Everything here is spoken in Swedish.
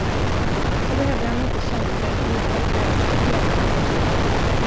Så behöver han inte känna det, vidhöll översten envist.